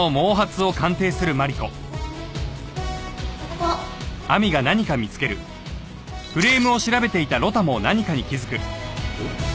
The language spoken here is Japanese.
あっ！おっ？